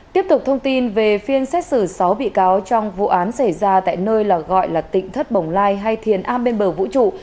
tiếp tục thông tin về phiên xét xử sáu bị cáo trong vụ án xảy ra tại nơi gọi là tỉnh thất bồng lai hay thiền a bên bờ vũ trụ